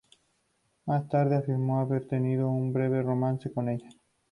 Más tarde afirmó haber tenido un breve romance con ella.